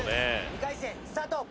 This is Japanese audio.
２回戦スタート！